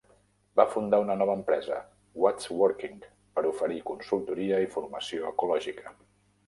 Va fundar una nova empresa, What's Working, per oferir consultoria i formació ecològica.